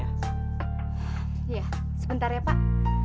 iya sebentar ya pak